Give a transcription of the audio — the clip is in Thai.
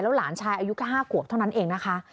หลานชายอายุแค่๕ขวบเท่านั้นเองนะคะ